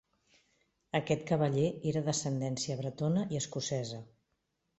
Aquest cavaller era d'ascendència bretona i escocesa.